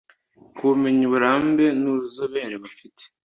Ku bumenyi uburambe n ubuzobere bafite